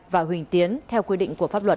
và huỳnh tiến theo quy định của pháp luật